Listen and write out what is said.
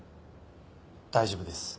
大丈夫です。